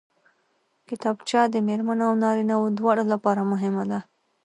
کتابچه د مېرمنو او نارینوو دواړو لپاره مهمه ده